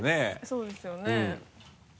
そうですよね。